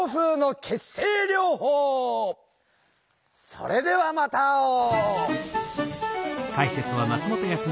それではまた会おう！